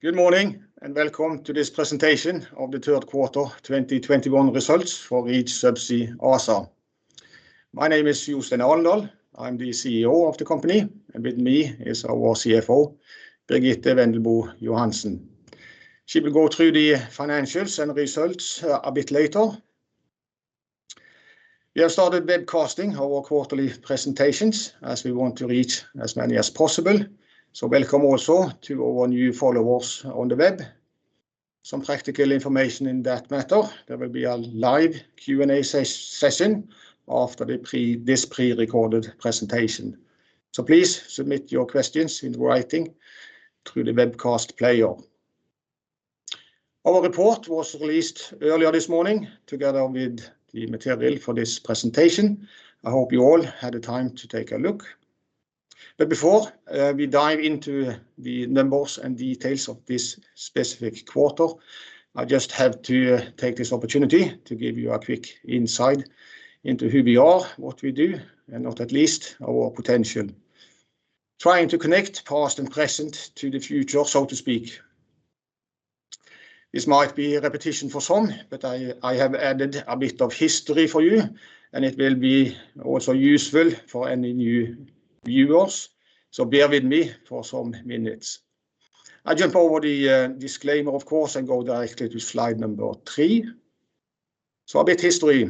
Good morning, and welcome to this presentation of the Third Quarter 2021 Results for Reach Subsea ASA. My name is Jostein Alendal. I'm the CEO of the company, and with me is our CFO, Birgitte Wendelbo Johansen. She will go through the financials and results a bit later. We have started webcasting our quarterly presentations as we want to reach as many as possible. Welcome also to our new followers on the web. Some practical information in that matter, there will be a live Q&A session after this prerecorded presentation. Please submit your questions in writing through the webcast player. Our report was released earlier this morning together with the material for this presentation. I hope you all had the time to take a look. Before we dive into the numbers and details of this specific quarter, I just have to take this opportunity to give you a quick insight into who we are, what we do, and not least our potential. Trying to connect past and present to the future, so to speak. This might be a repetition for some, but I have added a bit of history for you, and it will be also useful for any new viewers. Bear with me for some minutes. I jump over the disclaimer, of course, and go directly to slide number three. A bit of history.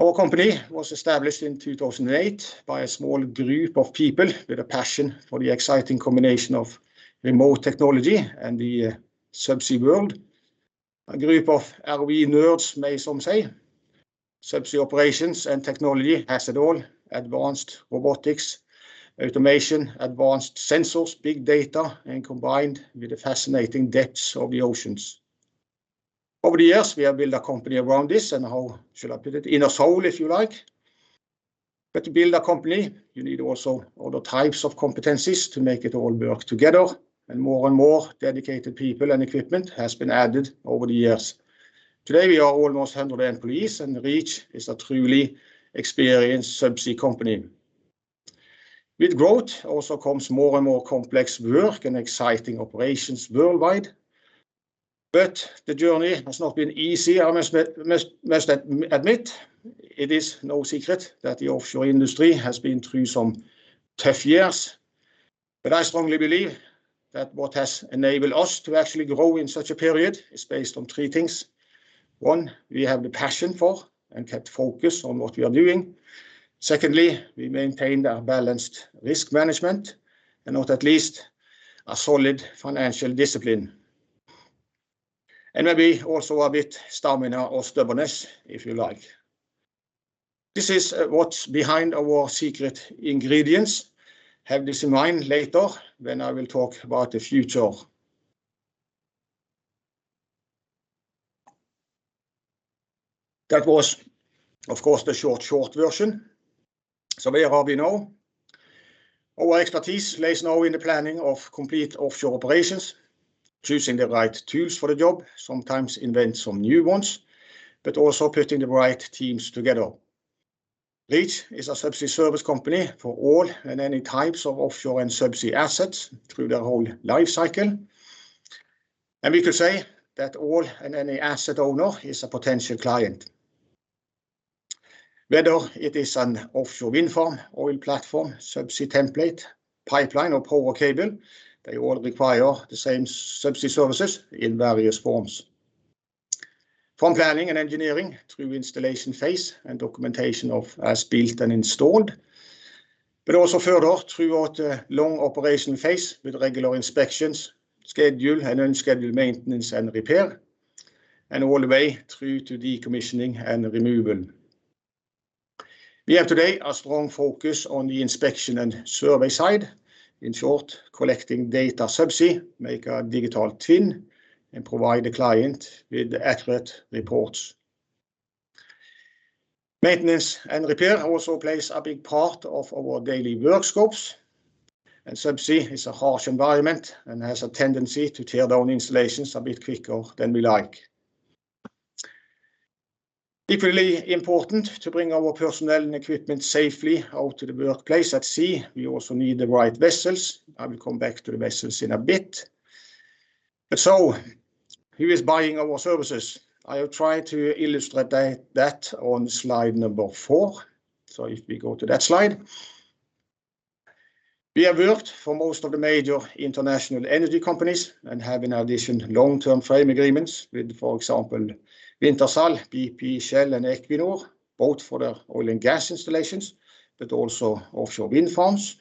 Our company was established in 2008 by a small group of people with a passion for the exciting combination of remote technology and the subsea world. A group of ROV nerds, some may say. Subsea operations and technology has it all, advanced robotics, automation, advanced sensors, big data, and combined with the fascinating depths of the oceans. Over the years, we have built a company around this and how should I put it? In a soul if you like. To build a company, you need also other types of competencies to make it all work together, and more and more dedicated people and equipment has been added over the years. Today, we are almost 100 employees, and Reach is a truly experienced subsea company. With growth also comes more and more complex work and exciting operations worldwide. The journey has not been easy, I must admit. It is no secret that the offshore industry has been through some tough years. I strongly believe that what has enabled us to actually grow in such a period is based on three things. One, we have the passion for and kept focus on what we are doing. Secondly, we maintained a balanced risk management, and not least a solid financial discipline. Maybe also a bit stamina or stubbornness, if you like. This is what's behind our secret ingredients. Have this in mind later when I will talk about the future. That was, of course, the short version. Where are we now? Our expertise lays now in the planning of complete offshore operations, choosing the right tools for the job, sometimes invent some new ones, but also putting the right teams together. Reach is a subsea service company for all and any types of offshore and subsea assets through their whole life cycle. We could say that all and any asset owner is a potential client. Whether it is an offshore wind farm, oil platform, subsea template, pipeline or power cable, they all require the same subsea services in various forms. From planning and engineering through installation phase and documentation of as built and installed, but also further throughout the long operational phase with regular inspections, scheduled and unscheduled maintenance and repair, and all the way through to decommissioning and removal. We have today a strong focus on the inspection and survey side. In short, collecting data subsea, make a digital twin and provide the client with accurate reports. Maintenance and repair also plays a big part of our daily work scopes, and subsea is a harsh environment and has a tendency to tear down installations a bit quicker than we like. Equally important to bring our personnel and equipment safely out to the workplace at sea, we also need the right vessels. I will come back to the vessels in a bit. Who is buying our services? I will try to illustrate that on slide number four. If we go to that slide. We have worked for most of the major international energy companies and have, in addition, long-term frame agreements with, for example, Wintershall, BP, Shell, and Equinor, both for their oil and gas installations, but also offshore wind farms.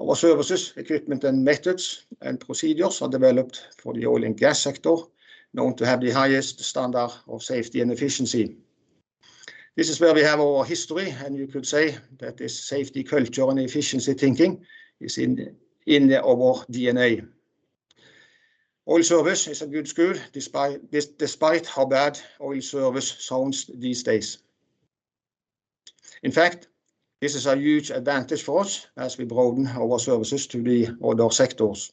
Our services, equipment and methods and procedures are developed for the Oil & Gas sector, known to have the highest standard of safety and efficiency. This is where we have our history, and you could say that this safety culture and efficiency thinking is in our DNA. Oil service is a good school, despite this. Despite how bad oil service sounds these days. In fact, this is a huge advantage for us as we broaden our services to the other sectors.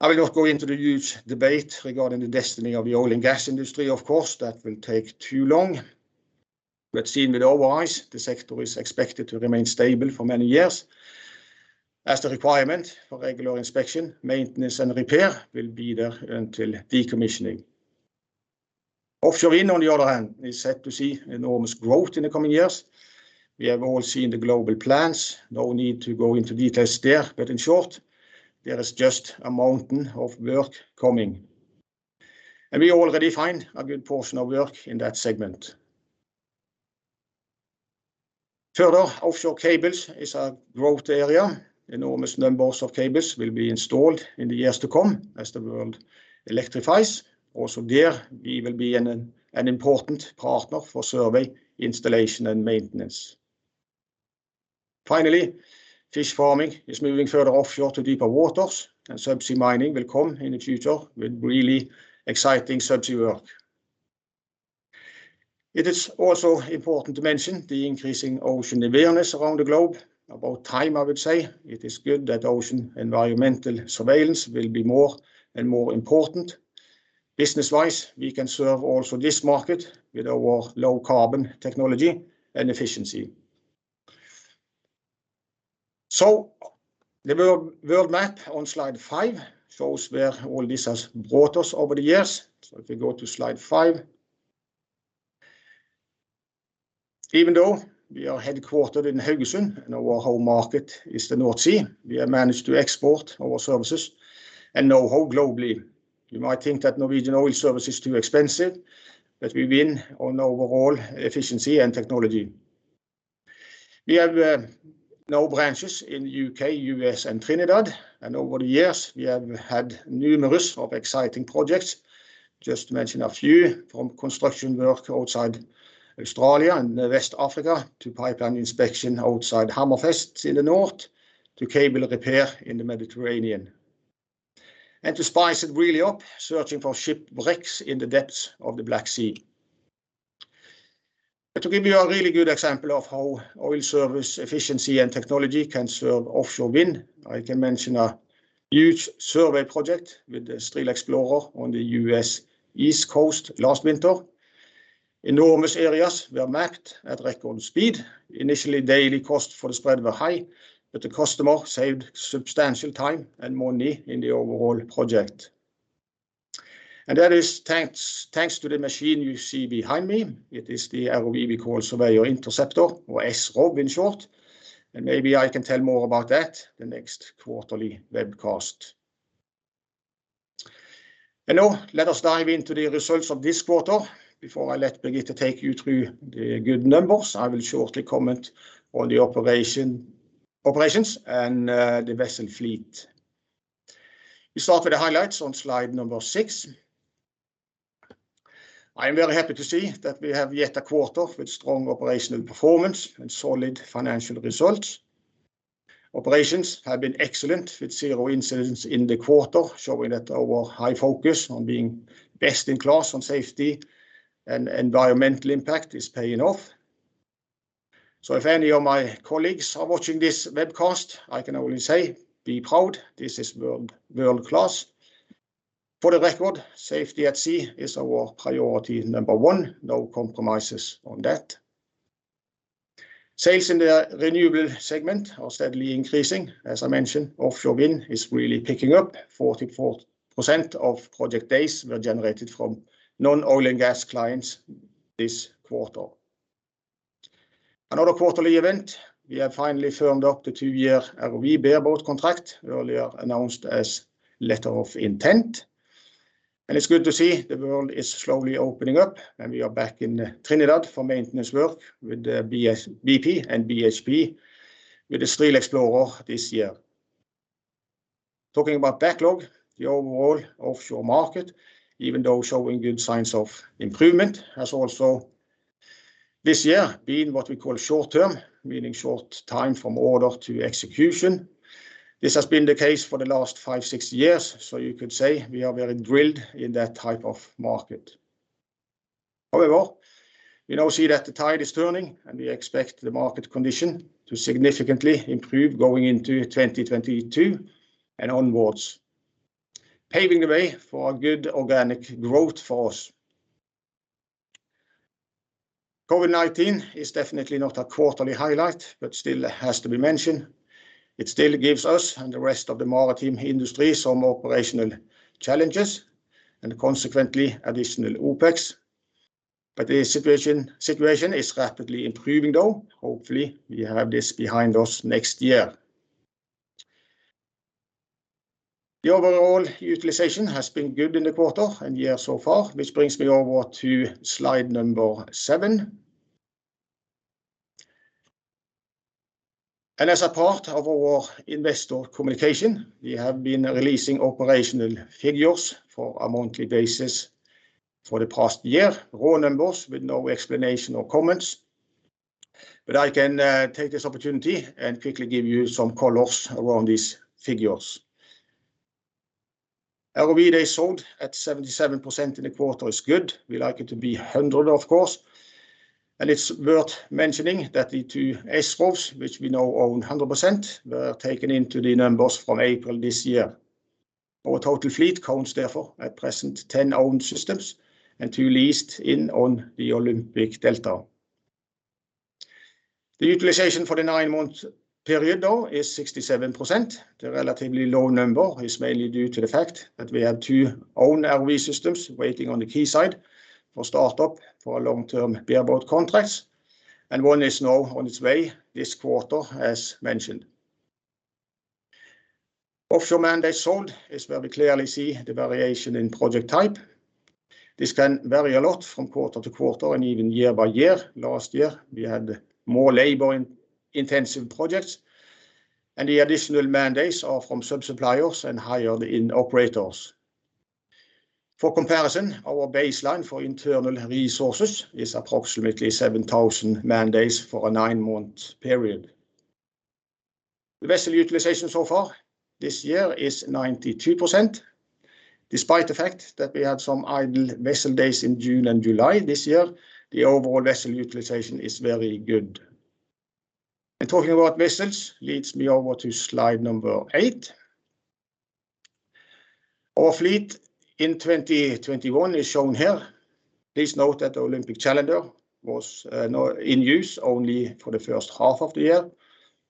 I will not go into the huge debate regarding the destiny of the oil and gas industry, of course, that will take too long. Seen with our eyes, the sector is expected to remain stable for many years, as the requirement for regular inspection, maintenance, and repair will be there until decommissioning. Offshore wind, on the other hand, is set to see enormous growth in the coming years. We have all seen the global plans. No need to go into details there. In short, there is just a mountain of work coming, and we already find a good portion of work in that segment. Further, offshore cables is a growth area. Enormous numbers of cables will be installed in the years to come as the world electrifies. Also there we will be an important partner for survey installation and maintenance. Finally, fish farming is moving further offshore to deeper waters, and subsea mining will come in the future with really exciting subsea work. It is also important to mention the increasing ocean awareness around the globe. About time, I would say. It is good that ocean environmental surveillance will be more and more important. Business-wise, we can serve also this market with our low carbon technology and efficiency. The world map on slide five shows where all this has brought us over the years. If you go to slide five. Even though we are headquartered in Haugesund and our home market is the North Sea, we have managed to export our services and know-how globally. You might think that Norwegian oil service is too expensive, but we win on overall efficiency and technology. We have now branches in the U.K., U.S., and Trinidad, and over the years we have had numerous of exciting projects. Just to mention a few, from construction work outside Australia and West Africa to pipeline inspection outside Hammerfest in the north to cable repair in the Mediterranean. To spice it really up, searching for shipwrecks in the depths of the Black Sea. To give you a really good example of how oil service efficiency and technology can serve offshore wind, I can mention a huge survey project with the Stril Explorer on the U.S. East Coast last winter. Enormous areas were mapped at record speed. Initially, daily cost for the spread were high, but the customer saved substantial time and money in the overall project. That is thanks to the machine you see behind me. It is the ROV we call Surveyor Interceptor, or SROV in short, and maybe I can tell more about that the next quarterly webcast. Now let us dive into the results of this quarter. Before I let Birgitte take you through the good numbers, I will shortly comment on the operations and the vessel fleet. We start with the highlights on slide number six. I am very happy to see that we have yet a quarter with strong operational performance and solid financial results. Operations have been excellent, with zero incidents in the quarter, showing that our high focus on being best in class on safety and environmental impact is paying off. If any of my colleagues are watching this webcast, I can only say be proud, this is world-class. For the record, safety at sea is our priority number one, no compromises on that. Sales in the Renewables segment are steadily increasing. As I mentioned, offshore wind is really picking up. 44% of project days were generated from non-Oil & Gas clients this quarter. Another quarterly event, we have finally firmed up the two-year ROV bareboat contract, earlier announced as letter of intent. It's good to see the world is slowly opening up and we are back in Trinidad for maintenance work with BP and BHP with the Stril Explorer this year. Talking about backlog, the overall offshore market, even though showing good signs of improvement, has also this year been what we call short term, meaning short time from order to execution. This has been the case for the last five, six years, so you could say we are very drilled in that type of market. However, we now see that the tide is turning, and we expect the market condition to significantly improve going into 2022 and onwards, paving the way for a good organic growth for us. COVID-19 is definitely not a quarterly highlight, but still has to be mentioned. It still gives us and the rest of the maritime industry some operational challenges and consequently additional OPEX. But the situation is rapidly improving, though. Hopefully, we have this behind us next year. The overall utilization has been good in the quarter and year so far, which brings me over to slide number seven. As a part of our investor communication, we have been releasing operational figures for a monthly basis for the past year. Raw numbers with no explanation or comments, but I can take this opportunity and quickly give you some colors around these figures. ROV days sold at 77% in the quarter is good. We like it to be 100%, of course. It's worth mentioning that the two Escos, which we now own 100%, were taken into the numbers from April this year. Our total fleet counts therefore at present 10 owned systems and two leased in on the Olympic Delta. The utilization for the nine-month period though is 67%. The relatively low number is mainly due to the fact that we had two own ROV systems waiting on the quay side for startup for our long-term bareboat contracts, and one is now on its way this quarter as mentioned. Offshore man days sold is where we clearly see the variation in project type. This can vary a lot from quarter to quarter and even year by year. Last year we had more labor-intensive projects, and the additional man-days are from sub-suppliers and hired in operators. For comparison, our baseline for internal resources is approximately 7,000 man-days for a nine-month period. The vessel utilization so far this year is 92%. Despite the fact that we had some idle vessel days in June and July this year, the overall vessel utilization is very good. Talking about vessels leads me over to slide number eight. Our fleet in 2021 is shown here. Please note that the Olympic Challenger was in use only for the first half of the year,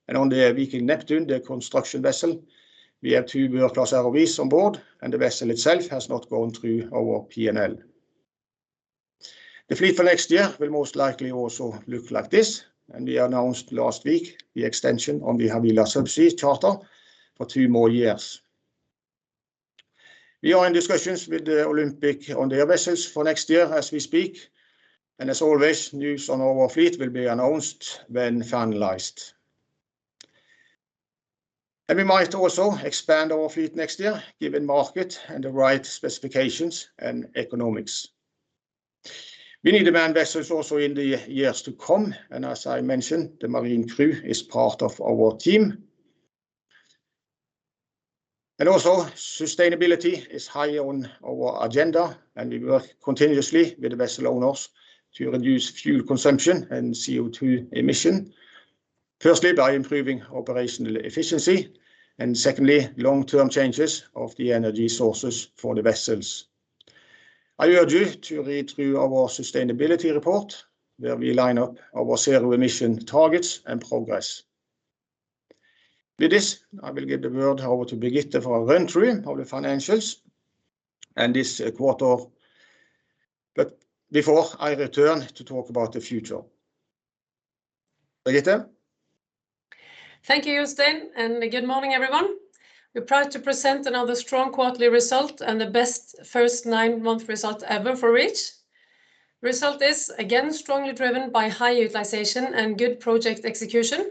and on the Viking Neptun, the construction vessel, we have two world-class ROVs on board, and the vessel itself has not gone through our P&L. The fleet for next year will most likely also look like this, and we announced last week the extension on the Havila Subsea charter for two more years. We are in discussions with Olympic on their vessels for next year as we speak, and as always, news on our fleet will be announced when finalized. We might also expand our fleet next year given market and the right specifications and economics. We need demand for vessels also in the years to come, and as I mentioned, the marine crew is part of our team. Sustainability is high on our agenda, and we work continuously with the vessel owners to reduce fuel consumption and CO2 emission, firstly by improving operational efficiency and secondly long-term changes of the energy sources for the vessels. I urge you to read through our sustainability report where we line up our zero emission targets and progress. With this, I will give the word over to Birgitte for a run-through of the financials and this quarter, but before I return to talk about the future. Birgitte? Thank you, Jostein, and good morning, everyone. We're proud to present another strong quarterly result and the best first nine-month result ever for Reach. Result is again strongly driven by high utilization and good project execution.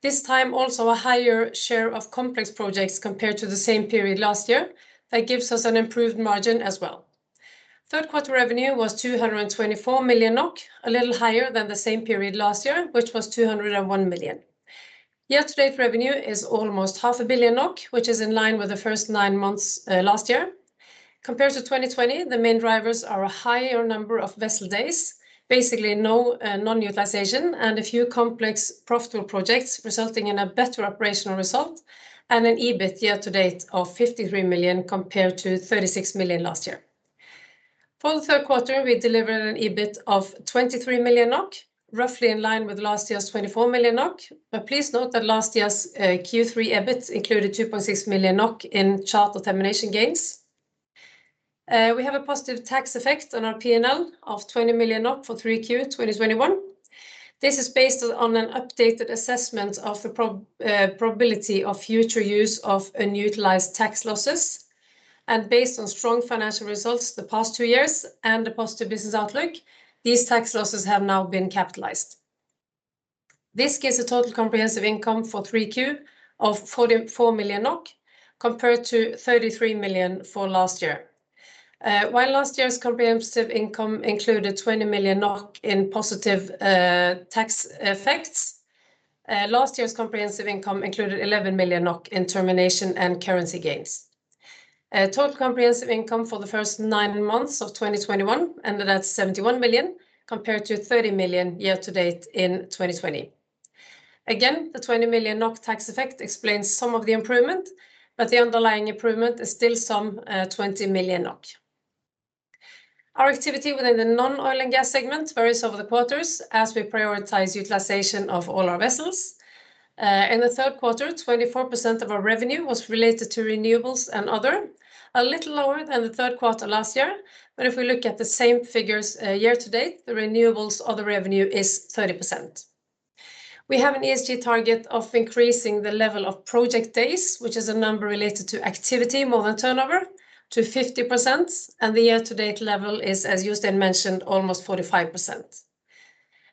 This time also a higher share of complex projects compared to the same period last year that gives us an improved margin as well. Third quarter revenue was 224 million NOK, a little higher than the same period last year, which was 201 million. Year-to-date revenue is almost 0.5 billion NOK, which is in line with the first nine months last year. Compared to 2020, the main drivers are a higher number of vessel days, basically no non-utilization, and a few complex profitable projects resulting in a better operational result and an EBIT year-to-date of 53 million compared to 36 million last year. For the third quarter, we delivered an EBIT of 23 million NOK, roughly in line with last year's 24 million NOK, but please note that last year's Q3 EBIT included 2.6 million NOK in charter termination gains. We have a positive tax effect on our P&L of 20 million NOK for 3Q 2021. This is based on an updated assessment of probability of future use of unutilized tax losses. Based on strong financial results the past two years and a positive business outlook, these tax losses have now been capitalized. This gives a total comprehensive income for 3Q of 44 million NOK compared to 33 million for last year. While last year's comprehensive income included 20 million NOK in positive tax effects, last year's comprehensive income included 11 million NOK in termination and currency gains. Total comprehensive income for the first nine months of 2021 ended at 71 million compared to 30 million year-to-date in 2020. Again, the 20 million NOK tax effect explains some of the improvement, but the underlying improvement is still some 20 million NOK. Our activity within the non-Oil & Gas segment varies over the quarters as we prioritize utilization of all our vessels. In the third quarter, 24% of our revenue was related to Renewables and Other, a little lower than the third quarter last year. If we look at the same figures, year-to-date, the Renewables/Other revenue is 30%. We have an ESG target of increasing the level of project days, which is a number related to activity more than turnover, to 50%, and the year-to-date level is, as Jostein mentioned, almost 45%.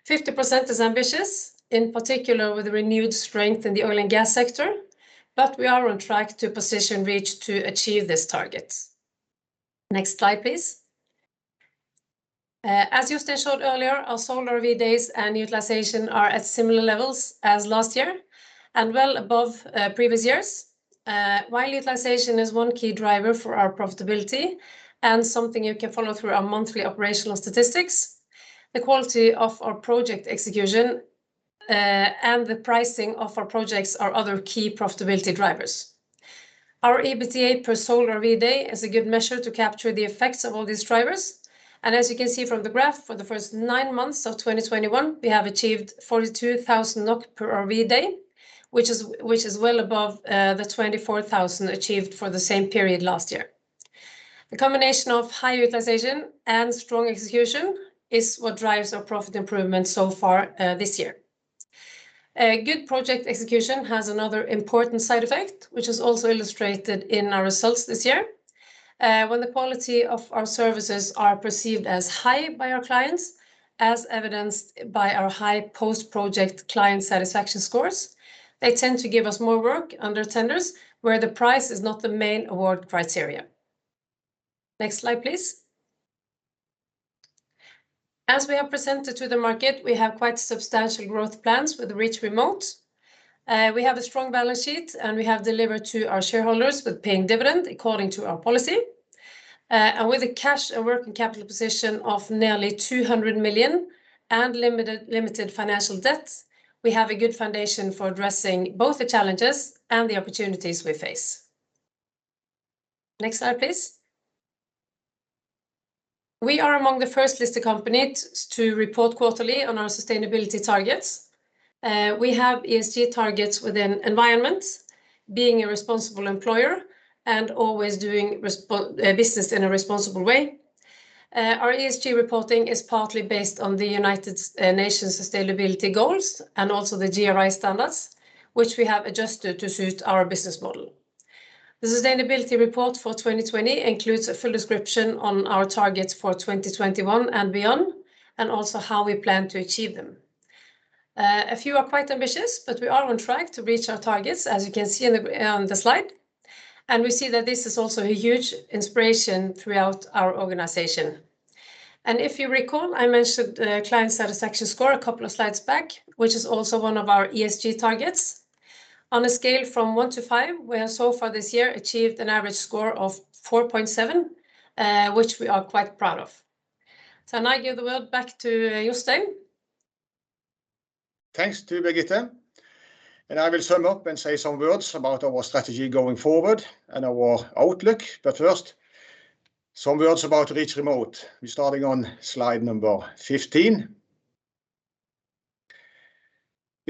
50% is ambitious, in particular with renewed strength in the Oil & Gas sector, but we are on track to position Reach to achieve this target. Next slide, please. As Jostein showed earlier, our sold ROV days and utilization are at similar levels as last year and well above previous years. While utilization is one key driver for our profitability and something you can follow through our monthly operational statistics, the quality of our project execution and the pricing of our projects are other key profitability drivers. Our EBITDA per sold ROV day is a good measure to capture the effects of all these drivers. As you can see from the graph, for the first nine months of 2021, we have achieved 42,000 NOK per ROV day, which is well above the 24,000 achieved for the same period last year. The combination of high utilization and strong execution is what drives our profit improvement so far, this year. A good project execution has another important side effect, which is also illustrated in our results this year. When the quality of our services are perceived as high by our clients, as evidenced by our high post-project client satisfaction scores, they tend to give us more work under tenders where the price is not the main award criteria. Next slide, please. As we have presented to the market, we have quite substantial growth plans with the Reach Remote. We have a strong balance sheet, and we have delivered to our shareholders with paying dividend according to our policy. With a cash and working capital position of nearly 200 million and limited financial debt, we have a good foundation for addressing both the challenges and the opportunities we face. Next slide, please. We are among the first listed companies to report quarterly on our sustainability targets. We have ESG targets within environment, being a responsible employer and always doing business in a responsible way. Our ESG reporting is partly based on the United Nations sustainability goals and also the GRI standards, which we have adjusted to suit our business model. The sustainability report for 2020 includes a full description on our targets for 2021 and beyond, and also how we plan to achieve them. A few are quite ambitious, but we are on track to reach our targets, as you can see on the slide, and we see that this is also a huge inspiration throughout our organization. If you recall, I mentioned the client satisfaction score a couple of slides back, which is also one of our ESG targets. On a scale from one to five, we have so far this year achieved an average score of 4.7, which we are quite proud of. I now give the word back to Jostein. Thanks to Birgitte, and I will sum up and say some words about our strategy going forward and our outlook. First, some words about Reach Remote. We're starting on slide number 15.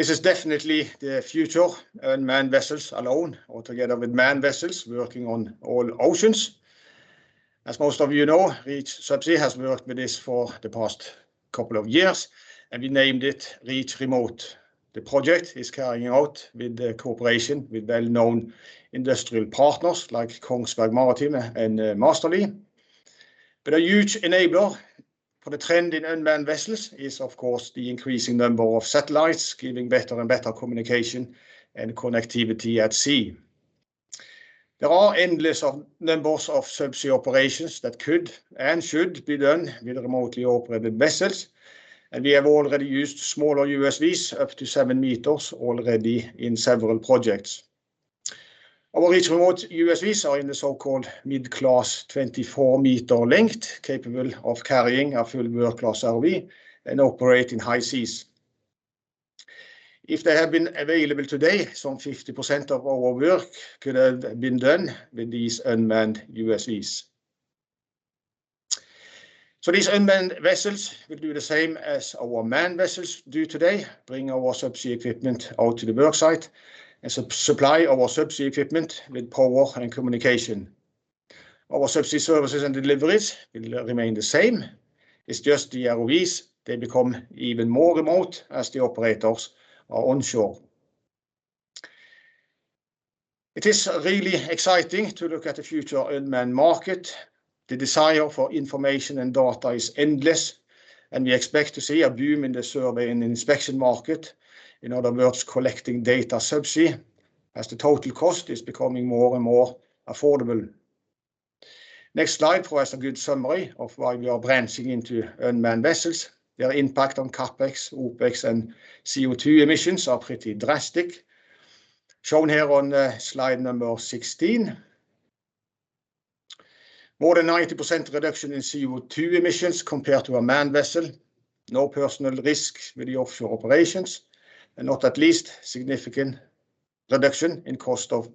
This is definitely the future unmanned vessels alone or together with manned vessels working on all oceans. As most of you know, Reach Subsea has worked with this for the past couple of years, and we named it Reach Remote. The project is carried out with the cooperation with well-known industrial partners like Kongsberg Maritime and Massterly. A huge enabler for the trend in unmanned vessels is of course the increasing number of satellites giving better and better communication and connectivity at sea. There are endless numbers of subsea operations that could and should be done with remotely operated vessels, and we have already used smaller USVs up to 7 meters already in several projects. Our Reach Remote USVs are in the so-called mid-class 24-meter length, capable of carrying a full work class ROV and operate in high seas. If they had been available today, some 50% of our work could have been done with these unmanned USVs. These unmanned vessels will do the same as our manned vessels do today, bring our subsea equipment out to the work site and supply our subsea equipment with power and communication. Our subsea services and deliveries will remain the same. It's just the ROVs, they become even more remote as the operators are onshore. It is really exciting to look at the future unmanned market. The desire for information and data is endless, and we expect to see a boom in the survey and inspection market. In other words, collecting data subsea as the total cost is becoming more and more affordable. Next slide for us a good summary of why we are branching into unmanned vessels. Their impact on CapEx, OPEX, and CO2 emissions are pretty drastic, shown here on slide number 16. More than 90% reduction in CO2 emissions compared to a manned vessel, no personal risk with the offshore operations, and not least significant reduction in cost of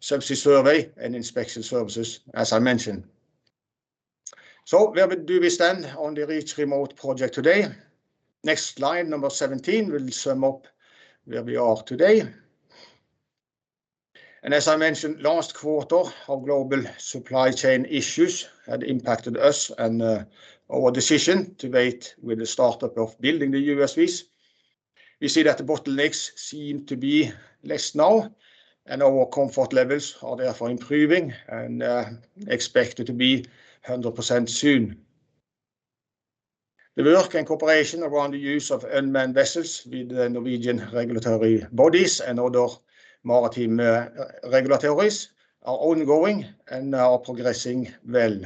subsea survey and inspection services, as I mentioned. Where do we stand on the Reach Remote project today? Next slide, number 17, will sum up where we are today. As I mentioned last quarter, our global supply chain issues had impacted us and our decision to wait with the startup of building the USVs. We see that the bottlenecks seem to be less now, and our comfort levels are therefore improving and expected to be 100% soon. The work and cooperation around the use of unmanned vessels with the Norwegian regulatory bodies and other maritime regulatories are ongoing and are progressing well.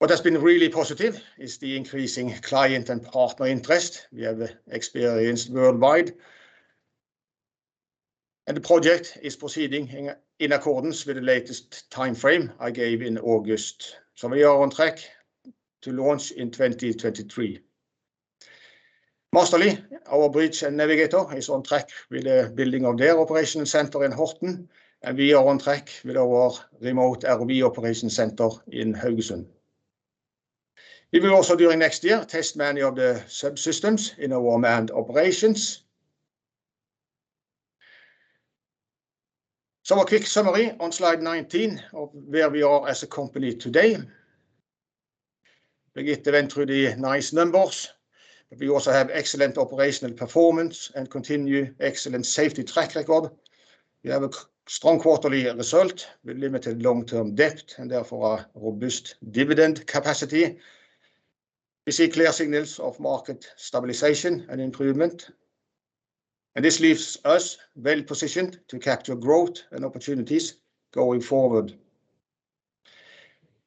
What has been really positive is the increasing client and partner interest we have experienced worldwide. The project is proceeding in accordance with the latest timeframe I gave in August. We are on track to launch in 2023. Massterly, our bridge and navigator, is on track with the building of their operational center in Horten, and we are on track with our remote ROV operation center in Haugesund. We will also, during next year, test many of the subsystems in our manned operations. A quick summary on slide 19 of where we are as a company today. Birgitte went through the nice numbers, but we also have excellent operational performance and continue excellent safety track record. We have a strong quarterly result with limited long-term debt, and therefore a robust dividend capacity. We see clear signals of market stabilization and improvement, and this leaves us well-positioned to capture growth and opportunities going forward.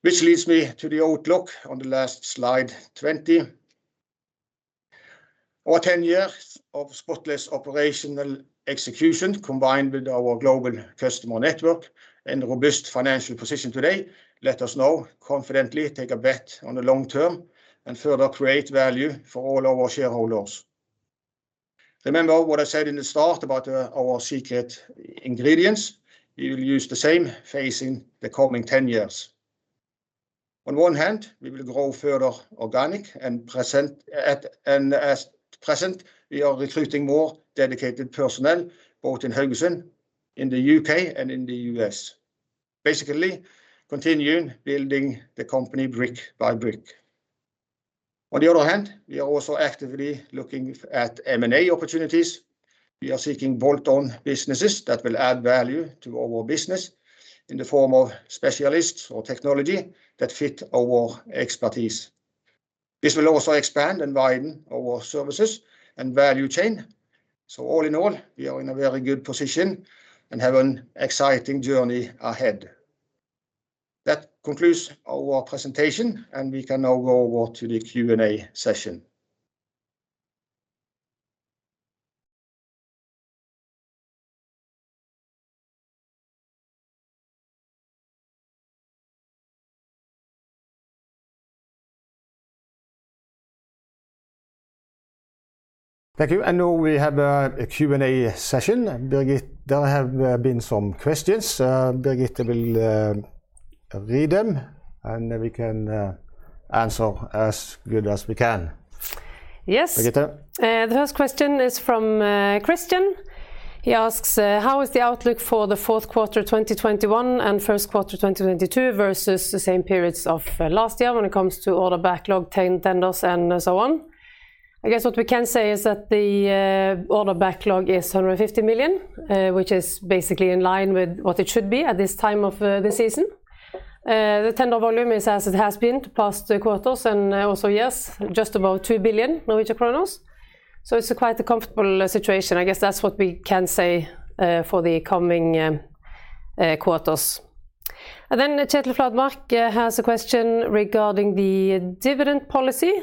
Which leads me to the outlook on the last slide, 20. Our 10 years of spotless operational execution, combined with our global customer network and robust financial position today, let us now confidently take a bet on the long term and further create value for all our shareholders. Remember what I said in the start about our secret ingredients? We will use the same phrase in the coming 10 years. On one hand, we will grow further organically and at present, we are recruiting more dedicated personnel, both in Haugesund, in the U.K., and in the U.S. Basically, continuing building the company brick by brick. On the other hand, we are also actively looking at M&A opportunities. We are seeking bolt-on businesses that will add value to our business in the form of specialists or technology that fit our expertise. This will also expand and widen our services and value chain. All in all, we are in a very good position and have an exciting journey ahead. That concludes our presentation, and we can now go over to the Q&A session. Thank you. Now we have a Q&A session. Birgitte, there have been some questions. Birgitte will read them, and then we can answer as good as we can. Yes. Birgitte? The first question is from Christian. He asks, "How is the outlook for the fourth quarter 2021 and first quarter 2022 versus the same periods of last year when it comes to order backlog, tenders, and so on?" I guess what we can say is that the order backlog is 150 million, which is basically in line with what it should be at this time of the season. The tender volume is as it has been the past quarters, and also just about 2 billion. It's quite a comfortable situation. I guess that's what we can say for the coming quarters. Then Kjetil Fladmark has a question regarding the dividend policy.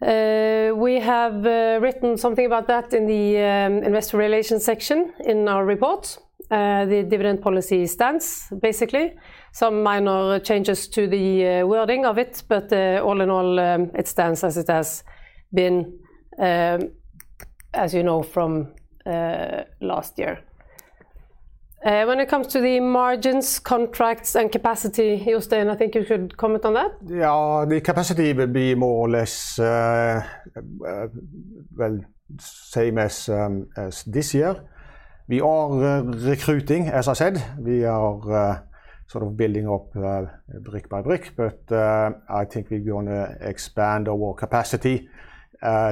We have written something about that in the investor relations section in our report, the dividend policy stance, basically. Some minor changes to the wording of it, but all in all, it stands as it has been, as you know from last year. When it comes to the margins, contracts, and capacity, Jostein, I think you should comment on that. Yeah. The capacity will be more or less, well, same as this year. We are recruiting, as I said. We are sort of building up, brick by brick, but, I think we're gonna expand our capacity,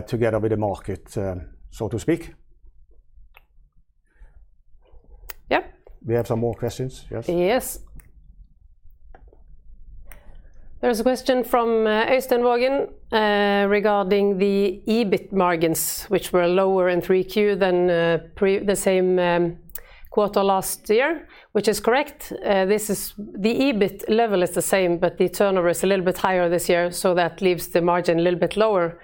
together with the market, so to speak. Yep. We have some more questions. Yes? Yes. There is a question from Øystein Waagen regarding the EBIT margins, which were lower in 3Q than the same quarter last year, which is correct. The EBIT level is the same, but the turnover is a little bit higher this year, so that leaves the margin a little bit lower.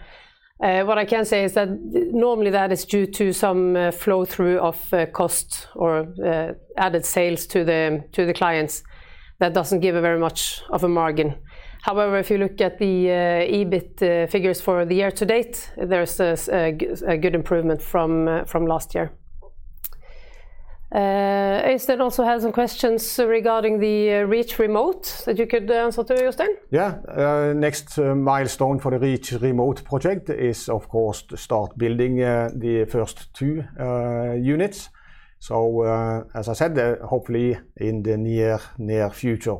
What I can say is that normally that is due to some flow-through of costs or added sales to the clients that doesn't give very much of a margin. However, if you look at the EBIT figures for the year to date, there's a good improvement from last year. Øystein also has some questions regarding the Reach Remote that you could answer too, Jostein. Next milestone for the Reach Remote project is, of course, to start building the first two units, as I said, hopefully in the near future.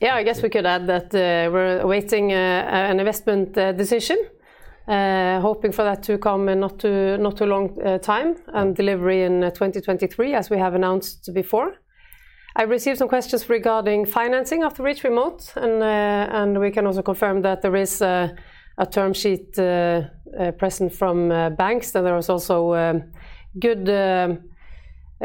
Yeah, I guess we could add that, we're awaiting an investment decision. Hoping for that to come in not too long time. And delivery in 2023, as we have announced before. I received some questions regarding financing of the Reach Remote, and we can also confirm that there is a term sheet present from banks. There is also good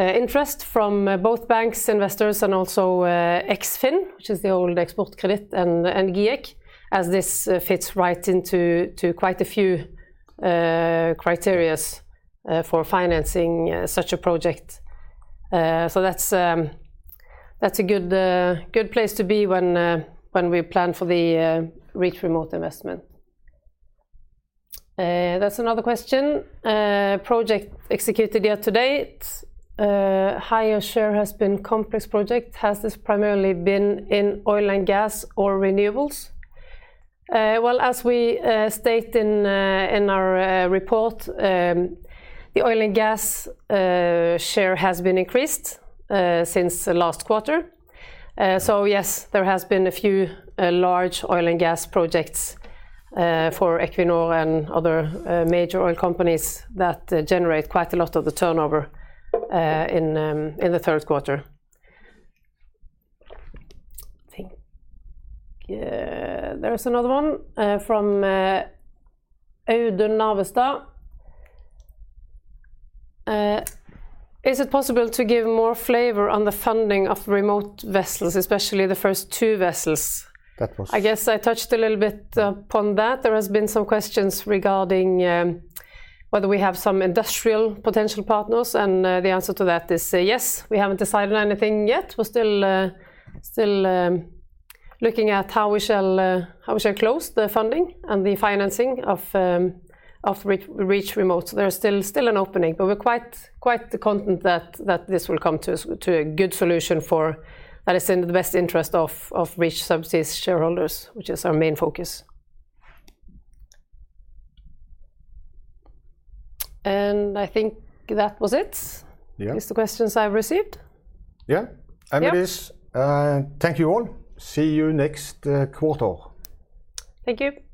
interest from both banks and investors and also Eksfin, which is the old Export Credit and GIEK, as this fits right into quite a few criteria for financing such a project. That's a good place to be when we plan for the Reach Remote investment. That's another question. Projects executed year-to-date, a higher share has been complex projects. Has this primarily been in Oil & Gas or Renewables? Well, as we state in our report, the Oil & Gas share has been increased since the last quarter. Yes, there has been a few large oil and gas projects for Equinor and other major oil companies that generate quite a lot of the turnover in the third quarter. I think there is another one from Audun Navestad. Is it possible to give more flavor on the funding of remote vessels, especially the first two vessels? That was- I guess I touched a little bit upon that. There has been some questions regarding whether we have some industrial potential partners, and the answer to that is yes. We haven't decided anything yet. We're still looking at how we shall close the funding and the financing of Reach Remote. So there's still an opening, but we're quite content that this will come to a good solution that is in the best interest of Reach Subsea's shareholders, which is our main focus. I think that was it. Yeah. At least the questions I received. Yeah. Yeah. With this, thank you all. See you next quarter. Thank you.